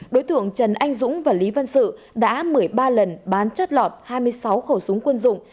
đối tượng trần anh dũng và lý văn sự đã một mươi ba lần bán chất lọt hai mươi sáu khẩu súng quân dụng